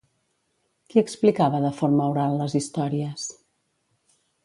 Qui explicava de forma oral les històries?